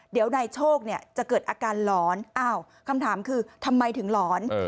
เดี๋ยวนายโชคเนี่ยจะเกิดอาการหลอนอ้าวคำถามคือทำไมถึงหลอน